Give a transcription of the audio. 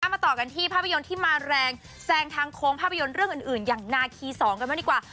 มาต่อกันที่ภาพยนตร์ที่มาแรงแซงทางโค้งภาพยนตร์เรื่องอื่นอย่างนาคีสองกันบ้างดีกว่า